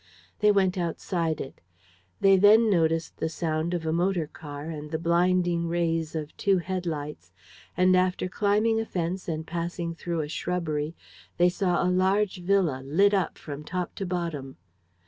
They went outside it. They then noticed the sound of a motor car and the blinding rays of two head lights; and, after climbing a fence and passing through a shrubbery, they saw a large villa lit up from top to bottom.